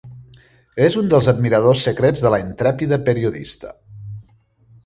És un dels admiradors secrets de la intrèpida periodista.